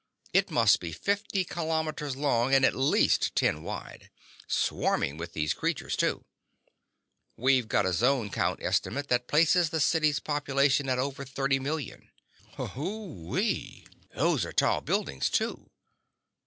It must be fifty kilometers long and at least ten wide. Swarming with these creatures, too. We've got a zone count estimate that places the city's population at over thirty million." "Whee ew! Those are tall buildings, too."